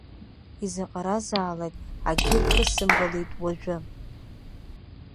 Изаҟаразаалак акгьы рхысымбалеит уажәы.